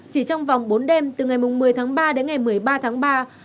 chỉ trong vòng bốn đêm từ ngày một mươi tháng ba đến ngày một mươi ba tháng ba